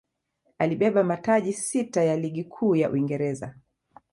alibeba mataji sita ya ligi kuu ya Uingereza